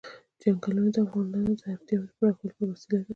چنګلونه د افغانانو د اړتیاوو د پوره کولو وسیله ده.